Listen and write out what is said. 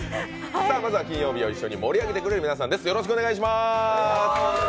まずは金曜日を一緒に盛り上げてくれる皆さんです。